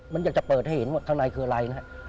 มันอยากจะเปิดให้เห็นว่าข้างในคืออะไรนะฮะ